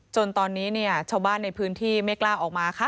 จนตอนนี้เนี่ยชาวบ้านในพื้นที่ไม่กล้าออกมาค่ะ